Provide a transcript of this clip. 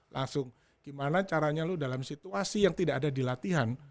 langsung gimana caranya lu dalam situasi yang tidak ada di latihan